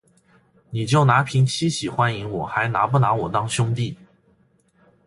你就拿瓶七喜欢迎我，还拿不拿我当兄弟